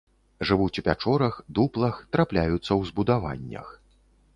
Жывуць у пячорах, дуплах, трапляюцца ў збудаваннях.